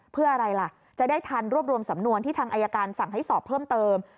เพื่ออะไรล่ะจะได้ทันรวบรวมสำนวนที่ทางอายการสั่งให้สอบเพิ่มเติม